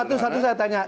satu satu saya tanya